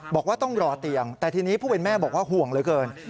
บอกว่าต้องรอเตียงแต่ทีนี้ผู้เป็นแม่บอกว่าห่วงเหลือเกิน